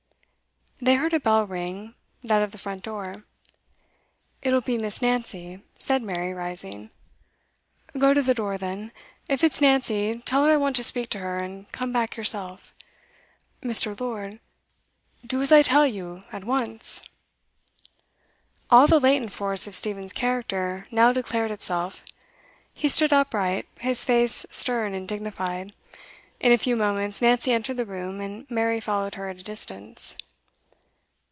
They heard a bell ring; that of the front door. 'It'll be Miss. Nancy,' said Mary, rising. 'Go to the door then. If it's Nancy, tell her I want to speak to her, and come back yourself.' 'Mr. Lord ' 'Do as I tell you at once!' All the latent force of Stephen's character now declared itself. He stood upright, his face stern and dignified. In a few moments, Nancy entered the room, and Mary followed her at a distance.